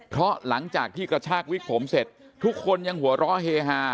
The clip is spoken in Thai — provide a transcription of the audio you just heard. เพราะหลังจากที่กระชากวิกผมเสร็จทุกคนยังหัวเราะเฮฮา